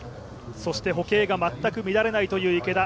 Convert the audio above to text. そして歩型が全く乱れないという池田